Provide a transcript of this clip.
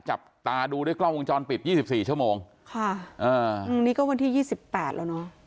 จับตาดูด้วยกล้องวงจรปิดยี่สิบสี่ชั่วโมงค่ะอ่าอืมนี่ก็วันที่ยี่สิบแปดแล้วเนอะ